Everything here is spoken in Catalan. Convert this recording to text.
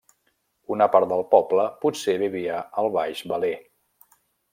Una part del poble potser vivia al baix Valais.